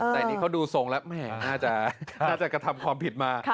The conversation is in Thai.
แต่อันนี้เขาดูทรงแล้วแม่น่าจะกระทำความผิดมา